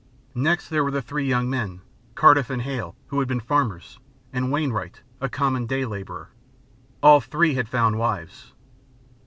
Next, there were the three young men Cardiff and Hale, who had been farmers, and Wainwright, a common day laborer. All three had found wives.